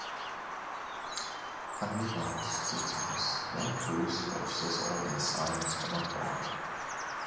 Unbeknownst to Thomas, young Bruce watched this all in silence from afar.